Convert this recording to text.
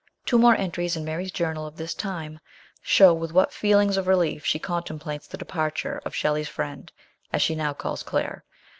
Two more entries in Mary's journal, of this time, show with what feelings of relief she contemplates the departure of Shelley's friend, as she now calls Claire.